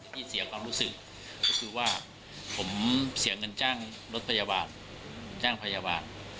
ที่เสียความรู้สึกก็คือว่าผมเสียเงินจ้างรถพยาบาลจ้างพยาบาล